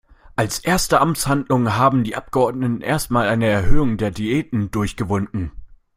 Als erste Amtshandlung haben die Abgeordneten erst mal eine Erhöhung der Diäten durchgewunken.